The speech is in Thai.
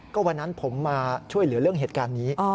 ก็วันนั้นผมมาช่วยเหลือเรื่องเหตุการณ์นี้